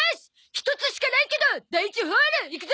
一つしかないけど第１ホールいくぞー！